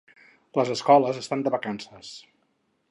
Les escoles estan de vacances.